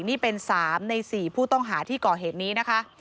นี่เป็น๓ใน๔ผู้ต้องหาที่ก่อเหตุนี้นะคะ